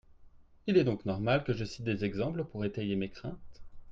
Il est donc normal que je cite des exemples pour étayer mes craintes.